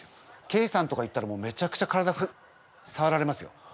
けいじさんとか行ったらめちゃくちゃ体さわられますよ。